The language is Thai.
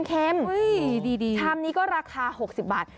ชามนี้ก็ราคา๖๐บาท